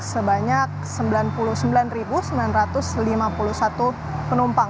sebanyak sembilan puluh sembilan sembilan ratus lima puluh satu penumpang